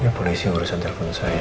ya polisi yang urusan telepon saya